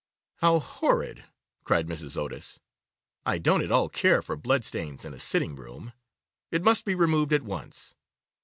'How horrid,' cried Mrs. Otis; 'I don't at all care for blood stains in a sitting room. It must be removed at once.